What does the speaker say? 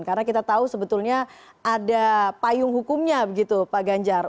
karena kita tahu sebetulnya ada payung hukumnya begitu pak ganjar